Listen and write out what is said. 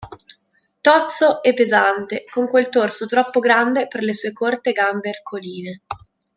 Tozzo e pesante, con quel torso troppo grande per le sue corte gambe ercoline.